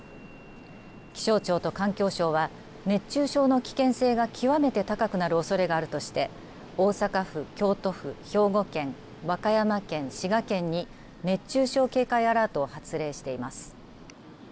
気象庁と環境省は熱中症の危険性が極めて高くなるおそれがあるとして大阪府、京都府、兵庫県和歌山県、滋賀県に熱中症警戒アラートを発令しています。